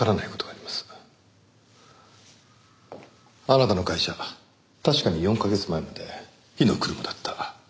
あなたの会社確かに４カ月前まで火の車だった。